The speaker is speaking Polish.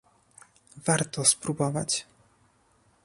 Warto spróbować